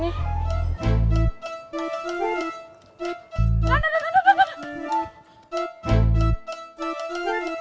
tidak tidak tidak tidak tidak tidak